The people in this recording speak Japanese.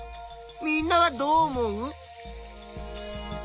みんなはどう思う？